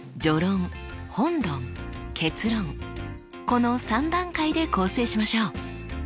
この３段階で構成しましょう。